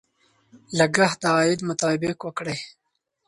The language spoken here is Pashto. لګښت د عاید مطابق وکړئ.